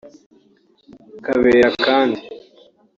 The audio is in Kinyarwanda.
Kabera kandi